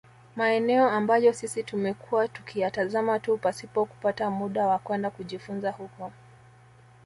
Maeneo ambayo sisi tumekuwa tukiyatazama tu pasipo kupata muda wa kwenda kujifunza huko